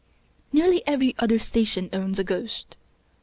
Nearly every other Station owns a ghost.